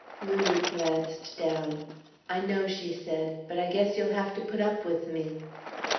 Lulu glanced down. "I know," she said, "but I guess you'll have to put up with me."